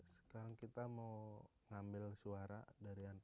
sekarang kita mau ngambil suara dari yang